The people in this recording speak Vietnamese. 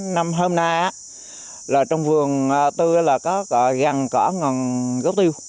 năm hôm nay trong vườn tôi có gần gốc tiêu